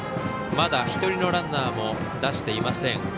まだ１人のランナーも出していません。